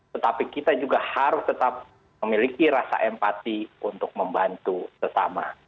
tetapi kita juga harus tetap memiliki rasa empati untuk membantu sesama